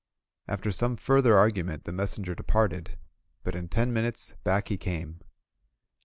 After some further argument the messenger departed, but in ten minutes back he came.